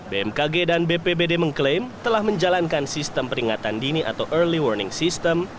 bmkg dan bpbd mengklaim telah menjalankan sistem peringatan dini atau early warning system